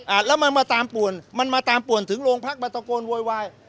แล้วมันมาตามป่วนมันมาตามป่วนถึงโรงพักมาตะโกนโวยวาย